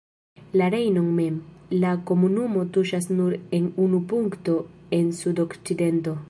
La Rejnon mem, la komunumo tuŝas nur en unu punkto en sudokcidento.